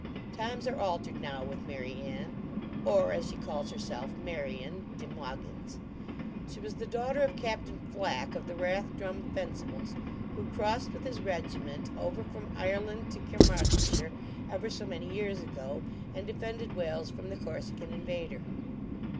Times are altered now with Mary Anne, or, as she calls herself, Marian de Mogyns. She was the daughter of Captain Flack of the Rathdrum Fencibles, who crossed with his regiment over from Ireland to Caermarthenshire ever so many years ago, and defended Wales from the Corsican invader.